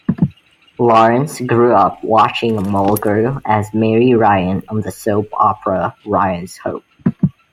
Lawrence grew up watching Mulgrew as Mary Ryan on the soap opera "Ryan's Hope".